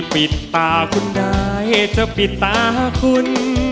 ปิดตาคุณได้จะปิดตาคุณ